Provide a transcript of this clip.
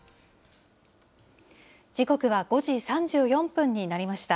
時刻は５時３４分になりました。